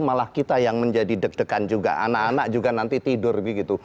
malah kita yang menjadi deg degan juga anak anak juga nanti tidur begitu